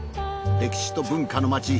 歴史と文化の街